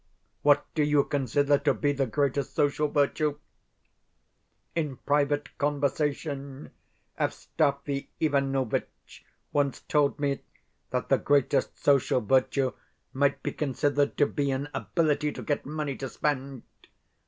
What do you consider to be the greatest social virtue? In private conversation Evstafi Ivanovitch once told me that the greatest social virtue might be considered to be an ability to get money to spend.